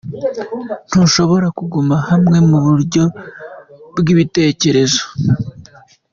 Ntushobora kuguma hamwe mu buryo bw’ibitekerezo.